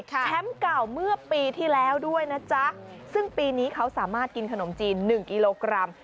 เก่าเมื่อปีที่แล้วด้วยนะจ๊ะซึ่งปีนี้เขาสามารถกินขนมจีนหนึ่งกิโลกรัม